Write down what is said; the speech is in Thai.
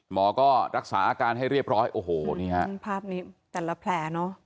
หมอก็รักษาอาการให้เรียบร้อยโอ้โหนี่ฮะภาพนี้แต่ละแผลเนอะ